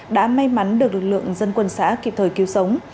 đã may mắn được lực lượng dân quân xã kịp thời cứu sống